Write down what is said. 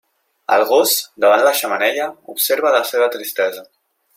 El gos, davant la xemeneia observa la seva tristesa.